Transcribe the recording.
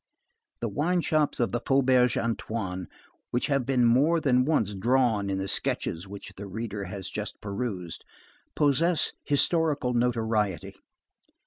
The wine shops of the Faubourg Antoine, which have been more than once drawn in the sketches which the reader has just perused, possess historical notoriety.